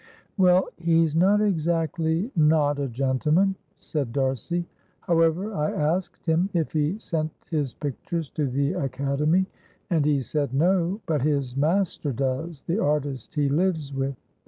"Well, he's not exactly not a gentleman," said D'Arcy. "However, I asked him if he sent his pictures to the Academy, and he said no, but his master does, the artist he lives with.